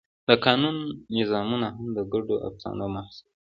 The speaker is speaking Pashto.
د قانون نظامونه هم د ګډو افسانو محصول دي.